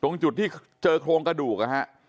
ตรงจุดที่เจอโครงกระดูกนะฮะ